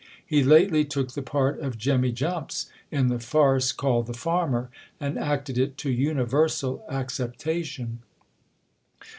He lately took the part of Jemmy Jumps, in the farce called The Farmer, and acted it to universal acceptation.